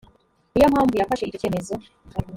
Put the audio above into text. niyo mpamvu yafashe icyo cyemezo